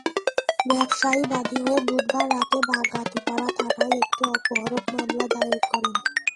ব্যবসায়ী বাদী হয়ে বুধবার রাতে বাগাতিপাড়া থানায় একটি অপহরণ মামলা দায়ের করেন।